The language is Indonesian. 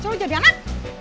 kalau jadi anak